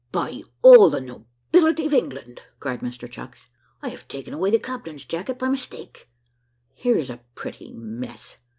"By all the nobility of England!" cried Mr Chucks, "I have taken away the captain's jacket by mistake. Here's a pretty mess!